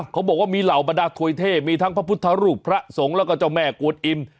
เขาบอกว่ามีเหล่าบรรดาถวยเทพมีทั้งพระพุทธรูปพระสงฆ์แล้วก็เจ้าแม่กวนอิ่ม